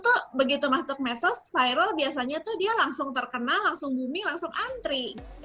tuh begitu masuk medsos viral biasanya tuh dia langsung terkenal langsung booming langsung antri